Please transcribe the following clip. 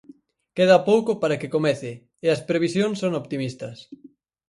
Queda pouco para que comece, e as previsións son optimistas.